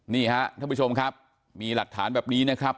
นี่ฮะท่านผู้ชมครับมีหลักฐานแบบนี้นะครับ